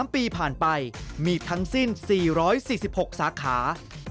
๓ปีผ่านไปมีทั้งสิ้น๔๔๖สาขา